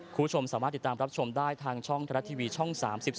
คุณผู้ชมสามารถติดตามรับชมได้ทางช่องไทยรัฐทีวีช่อง๓๒